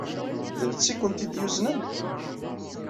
D netta ay kent-id-yuznen?